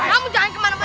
kamu jangan kemana mana